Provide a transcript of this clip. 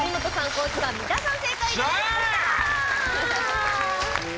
高地さん、三田さん、正解です。